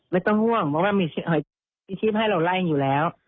ไม่ต้องห่วงเพราะว่ามีชีพให้เราไล่อยู่แล้ว